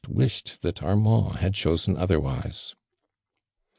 shed that Armand had chosen otherwise.